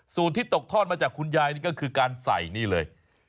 ที่ตกทอดมาจากคุณยายนี่ก็คือการใส่นี่เลย